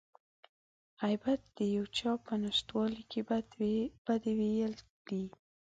غيبت د يو چا په نشتوالي کې بدي ويل دي.